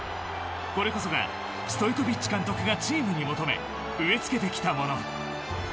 これこそがストイコヴィッチ監督がチームに求め植えつけてきたもの。